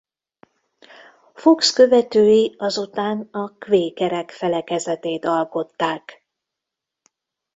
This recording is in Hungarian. Fox követői azután a kvékerek felekezetét alkották.